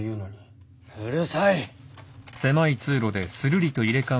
うるさい！